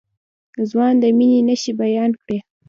ځوان د مينې نښې بيان کړې.